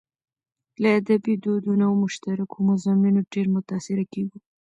له ادبي دودونو او مشترکو مضامينو ډېر متاثره کېږو.